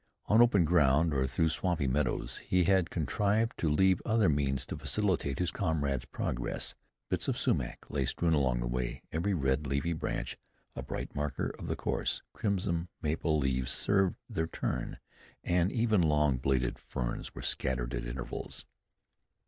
On open ground, or through swampy meadows he had contrived to leave other means to facilitate his comrade's progress. Bits of sumach lay strewn along the way, every red, leafy branch a bright marker of the course; crimson maple leaves served their turn, and even long bladed ferns were scattered at intervals.